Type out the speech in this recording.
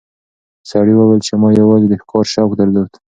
سړي وویل چې ما یوازې د ښکار شوق درلود.